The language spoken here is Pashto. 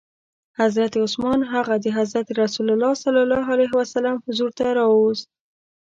حضرت عثمان هغه د حضرت رسول ص حضور ته راووست.